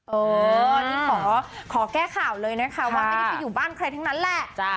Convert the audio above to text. เออนี่ขอแก้ข่าวเลยนะคะว่าไม่ได้ไปอยู่บ้านใครทั้งนั้นแหละ